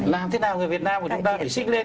làm thế nào để người việt nam chúng ta phải sinh lên